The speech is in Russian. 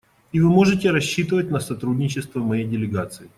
И вы можете рассчитывать на сотрудничество моей делегации.